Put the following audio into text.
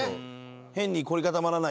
変に凝り固まらないで。